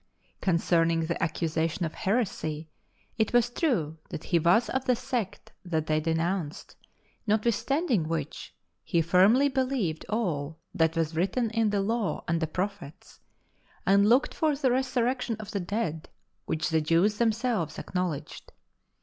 ^ accusation of heresy, it was true that he was of the sect that they de nounced, notwithstanding which, he firmly believed all that was written in the Law and the Piophets, and looked for the resurrection of the dead, which the Jews themselves ac knowiedged.